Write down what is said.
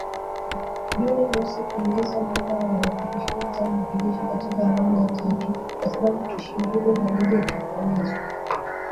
Juni mosi kuongeza muda wa operesheni zao za kijeshi katika awamu ya tatu, kwa sababu tishio hilo halijatokomezwa